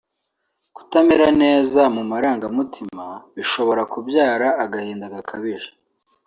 kutamera neza mu marangamutima bishobora kubyara agahinda gakabije